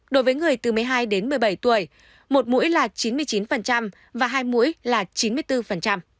đối với người từ một mươi hai đến một mươi bảy tuổi một mũi là chín mươi chín và hai mũi là chín mươi bốn